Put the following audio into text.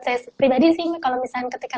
saya pribadi sih kalau misalnya ketika